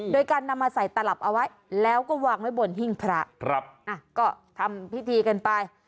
โดยการนำมาใส่ตลับเอาไว้แล้วก็วางไว้บนหิ้งพระก็ทำพิธีกันไป